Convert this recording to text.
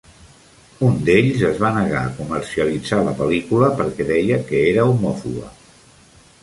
Un d'ells es va negar a comercialitzar la pel·lícula perquè deia que era homòfoba.